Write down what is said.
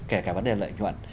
kể cả vấn đề lợi nhuận